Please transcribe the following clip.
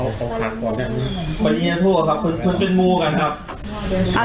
เอาของขาดกว่าได้ไหมคนนี้เนี่ยถูกหรอครับคุณคุณเป็นมูกันครับ